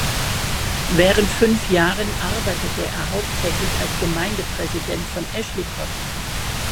Während fünf Jahren arbeitete er hauptsächlich als Gemeindepräsident von Eschlikon.